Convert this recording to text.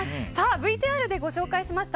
ＶＴＲでご紹介しました